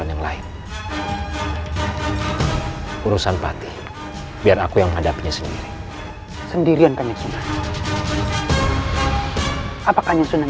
assalamualaikum warahmatullahi wabarakatuh